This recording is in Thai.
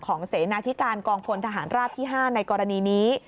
เสนาธิการกองพลทหารราบที่๕ในกรณีนี้